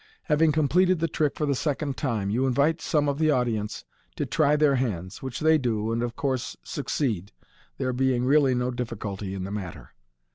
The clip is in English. Having com pleted the trick for the second time, you invite some of the audience to try their hands, which they do, and of course succeed, there being really no difficulty in the matter.